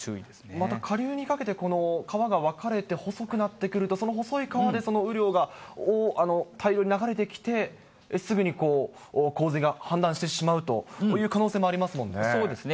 また下流にかけて、この川が分かれて、細くなってくると、その細い川で、その雨量が、大量に流れてきて、すぐに洪水が氾濫してしまうといそうですね。